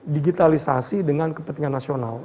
digitalisasi dengan kepentingan nasional